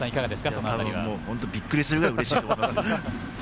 本当、びっくりするぐらいうれしいと思います。